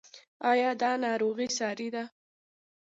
ایا دا ناروغي ساري ده؟